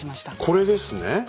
これですね。